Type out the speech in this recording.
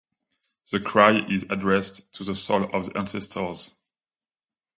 The cry is addressed to the souls of the ancestors.